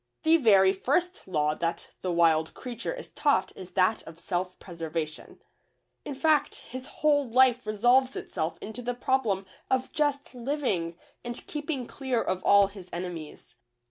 The very first law that the wild creature is taught is that of self preservation ; in fact, his whole life resolves itself into the problem of just living and keeping clear of all his enemies.